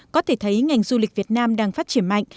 có thể thấy ngành du lịch việt nam đang phát triển mạnh